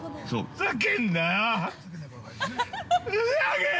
ふざけんなよー。